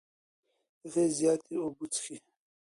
هغې زياتې اوبه څښې.